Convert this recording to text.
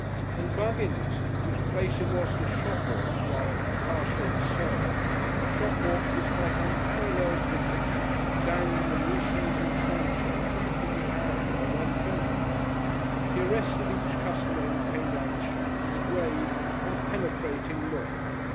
And Buggins, whose place it was to shopwalk while Carshot served, shopwalked with quite unparalleled dignity, dangling a new season's sunshade with a crooked handle on one finger. He arrested each customer who came down the shop with a grave and penetrating look.